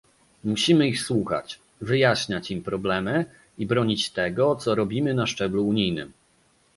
musimy ich słuchać, wyjaśniać im problemy i bronić tego, co robimy na szczeblu unijnym